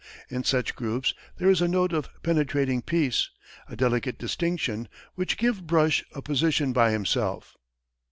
In such groups there is a note of penetrating peace, a delicate distinction, which give Brush a position by himself.